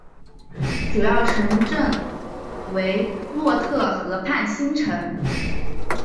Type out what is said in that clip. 主要城镇为洛特河畔新城。